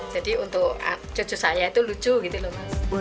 jadi untuk cucu saya itu lucu gitu loh